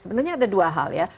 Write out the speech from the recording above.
sebenarnya ada dua hal ya